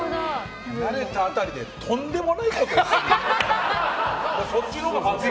慣れた辺りでとんでもないことをするのよ。